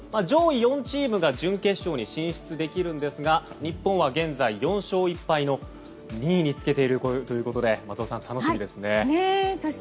上位４チームが準決勝に進出できるんですが日本は現在４勝１敗の２位につけているということで松尾さん、楽しみですね。